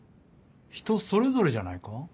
人それぞれじゃないか？